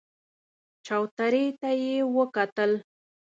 چوترې ته يې وکتل.